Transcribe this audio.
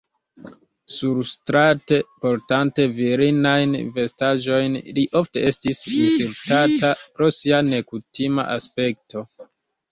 Surstrate, portante virinajn vestaĵojn, li ofte estis insultata pro sia nekutima aspekto.